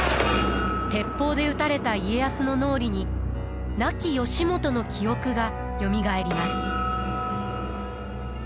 鉄砲で撃たれた家康の脳裏に亡き義元の記憶がよみがえります。